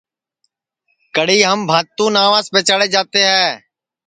کڑی ہم بھانتو ناوس پیچاٹؔے جاتے ہے